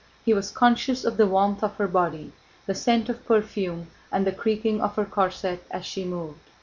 He was conscious of the warmth of her body, the scent of perfume, and the creaking of her corset as she moved.